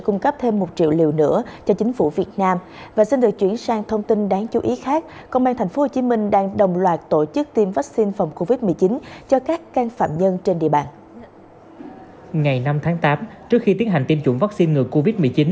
ngày năm tháng tám trước khi tiến hành tiêm chủng vaccine ngừa covid một mươi chín